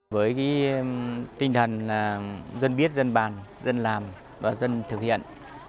với tinh thần là dân biết dân bàn dân làm và dân thực hiện